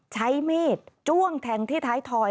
ใช้มีดจ้วงแทงที่ท้ายถอย